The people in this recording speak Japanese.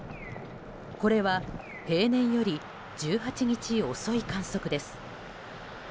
これは平年より１８日遅い観測です。